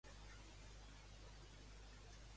Qui va ser Temen?